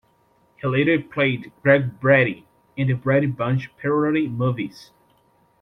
He later played Greg Brady in the Brady Bunch parody movies.